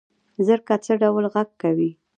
زرکه څه ډول غږ کوي؟